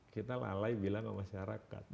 kita lalai bilang ke masyarakat